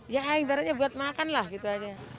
ya ibaratnya buat makan lah gitu aja